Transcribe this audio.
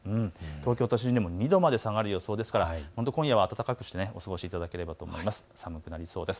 東京都心でも２度まで下がりそうですから今夜は暖かくしてお過ごしいただきたいと思います。